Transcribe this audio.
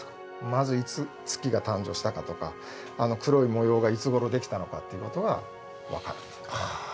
まずいつ月が誕生したかとかあの黒い模様がいつごろできたのかっていうことが分かると。